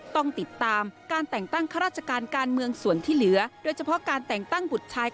ต้องติดตามการแต่งตั้ง